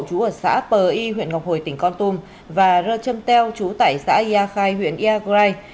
chú ở xã p i huyện ngọc hồi tỉnh con tum và rơ trâm teo chú tại xã yagrai huyện yagrai